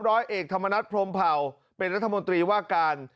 ร้อยเอกธรรมนัฐพรมเผ่าเป็นรัฐมนตรีว่าการ